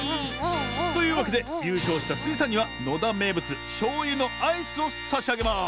というわけでゆうしょうしたスイさんにはのだめいぶつしょうゆのアイスをさしあげます。